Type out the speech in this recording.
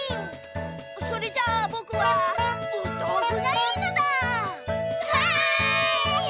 それじゃあぼくはおとうふがいいのだ！わい！